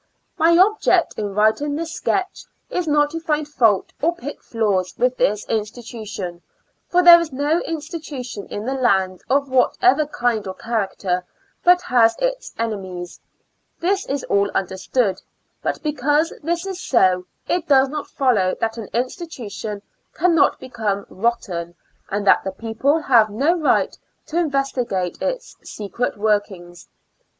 My object in writing this sketch, is not to find fault or pick flaws with this institu tion, for there is no institution in the land of what ever kind or character, but has its enemies — this is all understood; but be cause this is so, it does not follow that an institution cannot become rotten, and that the people have no right to investigate its secret workings.